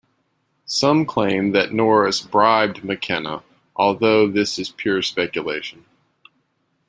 Some claim that Norris 'bribed' McKenna, although this is pure speculation.